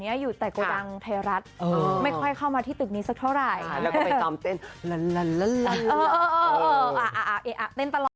เออเออเออเออเออเออเต้นตลอด